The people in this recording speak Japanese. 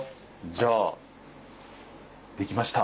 じゃあ出来ました。